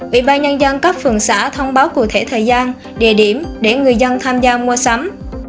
ủy ban nhân dân cấp phường xã thông báo cụ thể thời gian địa điểm để người dân tham gia mua sắm